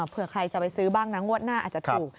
เผื่อใครจะไปซื้อบ้างนะงวดหน้าอาจจะถูก